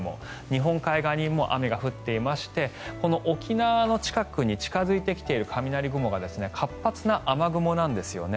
日本海側にも雨が降っていましてこの沖縄の近くに近付いてきている雷雲が活発な雨雲なんですよね。